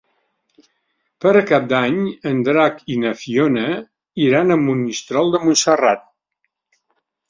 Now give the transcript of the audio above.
Per Cap d'Any en Drac i na Fiona iran a Monistrol de Montserrat.